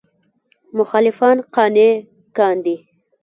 مخالفان قانع کاندي.